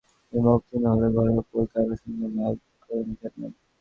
তিনি বন্ধুত্বপূর্ণ হলেও ঘরের খবর কারও সঙ্গে ভাগ করে নিতেন না।